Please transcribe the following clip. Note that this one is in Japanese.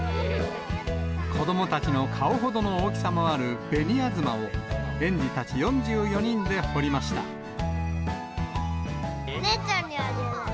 子どもたちの顔ほどの大きさもある紅あずまを、園児たち４４人でお姉ちゃんにあげる。